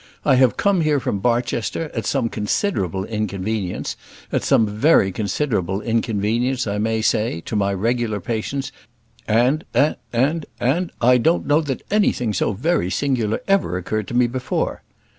I have come here from Barchester, at some considerable inconvenience, at some very considerable inconvenience, I may say, to my regular patients; and and and I don't know that anything so very singular ever occurred to me before."